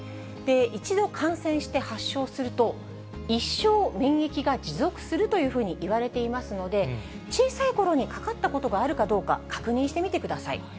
一度感染して発症すると、一生、免疫が持続するというふうにいわれていますので、小さいころにかかったことがあるかどうか、確認してみてください。